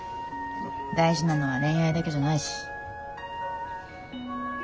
大事なのは恋愛だけじゃないし。